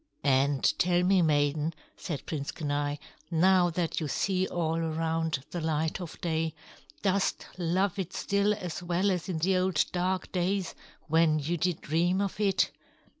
"And tell me, maiden," said Prince Kenai, "now that you see all around the light of day, dost love it still as well as in the old dark days when you did dream of it?"